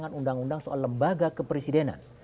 dengan undang undang soal lembaga kepresidenan